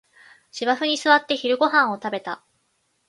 芝生に座って昼ごはんを食べた